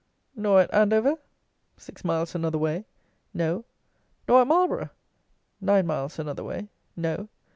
"Nor at Andover?" (six miles another way) "No." "Nor at Marlborough?" (nine miles another way) "No."